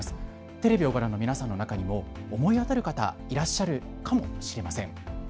テレビをご覧の皆さんの中にも思い当たる方、いらっしゃるかもしれません。